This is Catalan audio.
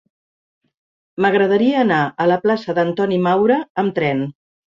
M'agradaria anar a la plaça d'Antoni Maura amb tren.